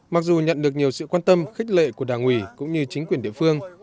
mặc dù nhận được nhiều sự quan tâm khích lệ của đảng ủy cũng như chính quyền địa phương